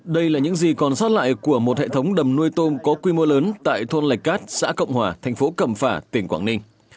đây là những gì còn sót lại của một hệ thống đầm nuôi tôm có quy mô lớn tại thôn lạch cát xã cộng hòa thành phố cẩm phả tỉnh quảng ninh